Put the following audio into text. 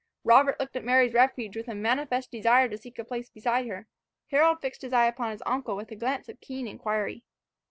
Robert looked at Mary's refuge, with a manifest desire to seek a place beside her. Harold fixed his eye upon his uncle, with a glance of keen inquiry.